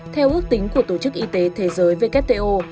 theo ước tính của tổ chức y tế thế giới wto